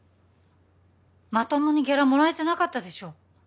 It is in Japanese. まともにギャラもらえてなかったでしょ？